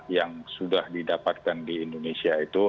yang sudah didapatkan di indonesia itu